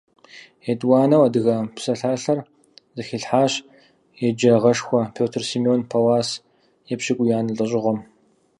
ЕтӀуанэу адыгэ псалъалъэр зэхилъхьащ еджагъэшхуэ Пётр Симон Паллас епщыкӀуиянэ лӀэщӀыгъуэм.